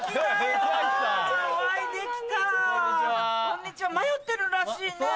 こんにちは迷ってるらしいね。